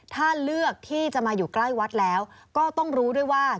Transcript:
ถ้าเลือกที่จะมาอยู่ใกล้วัดแล้วก็ต้องรู้ด้วยว่า